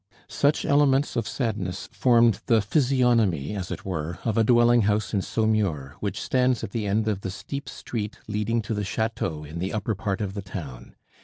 Such elements of sadness formed the physiognomy, as it were, of a dwelling house in Saumur which stands at the end of the steep street leading to the chateau in the upper part of the town.